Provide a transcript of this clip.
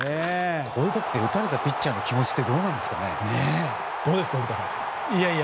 こういう時って打たれたピッチャーの気持ちってどうですか、古田さん。